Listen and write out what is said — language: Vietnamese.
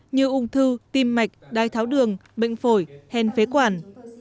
như ung thư tim mạch đai tháo đường bệnh phổi hèn phế quản